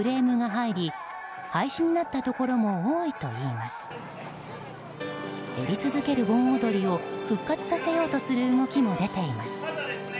減り続ける盆踊りを復活させようという動きも出ています。